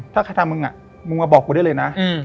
ถ้าใครทำมึงมึงมาบอกกูได้เลยนะ